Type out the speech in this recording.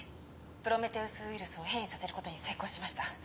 プロメテウス・ウイルスを変異させることに成功しました。